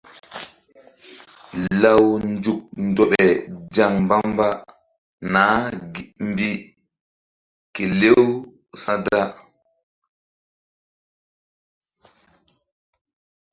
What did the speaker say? Law nzuk ndoɓe zaŋ mbamba nah bi gi kelew sa̧ da.